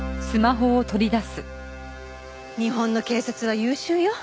日本の警察は優秀よ。